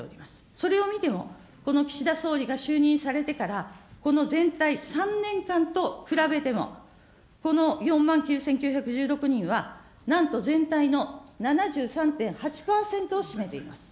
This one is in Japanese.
それを見ても、この岸田総理が就任されてからこの全体３年間と比べても、この４万９９１６人はなんと全体の７３．８％を占めています。